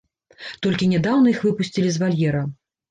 Толькі нядаўна іх выпусцілі з вальера.